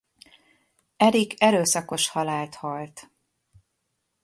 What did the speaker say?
Erik erőszakos halált halt.